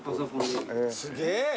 すげえ。